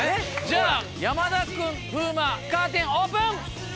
じゃあ山田君風磨カーテンオープン。